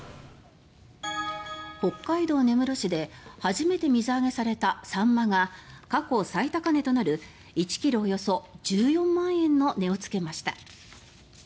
北海道根室市で初めて水揚げされたサンマが過去最高値となる１ｋｇおよそ１４万円の値をつけました。